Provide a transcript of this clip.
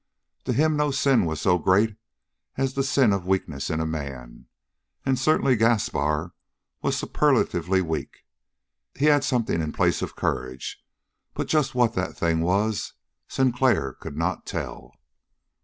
To him no sin was so great as the sin of weakness in a man, and certainly Gaspar was superlatively weak. He had something in place of courage, but just what that thing was, Sinclair could not tell.